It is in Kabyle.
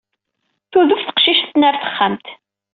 Tudef teqcict-nni ɣer texxamt.